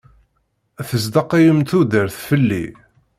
Tesḍaqayem tudert fell-i.